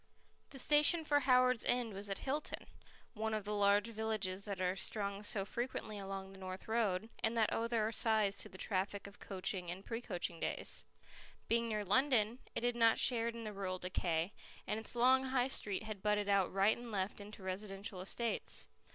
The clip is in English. The station for Howards End was at Hilton, one of the large villages that are strung so frequently along the North Road, and that owe their size to the traffic of coaching and pre coaching days. Being near London, it had not shared in the rural decay, and its long High Street had budded out right and left into residential estates.